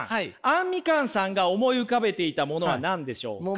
あんみかんさんが思い浮かべていたものは何でしょうか？